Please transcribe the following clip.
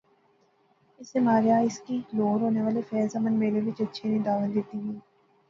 اسے ماریا اس کی لہور ہونے والے فیض امن میلے وچ اچھے نی دعوت دتی گئی